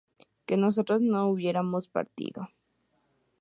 que nosotras no hubiéramos partido